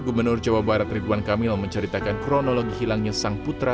gubernur jawa barat ridwan kamil menceritakan kronologi hilangnya sang putra